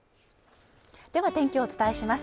では天気をお伝えします。